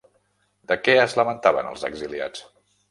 De què es lamentaven els exiliats?